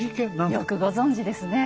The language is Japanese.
よくご存じですね。